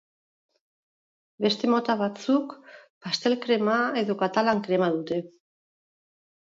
Beste mota batzuk pastel-krema edo katalan krema dute.